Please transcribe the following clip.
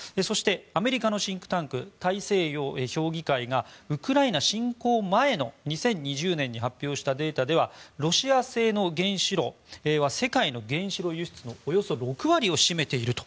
アメリカのシンクタンク大西洋評議会がウクライナ侵攻前の２０２０年に発表したデータではロシア製の原子炉は世界の原子炉輸出のおよそ６割を占めていると。